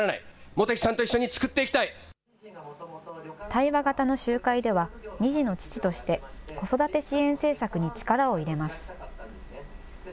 対話型の集会では、２児の父として、子育て支援政策に力を入れます。